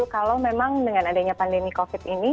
kalau memang dengan adanya pandemi covid ini